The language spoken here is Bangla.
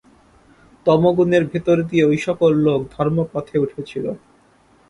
তমোগুণের ভেতর দিয়ে ঐ-সকল লোক ধর্মপথে উঠেছিল।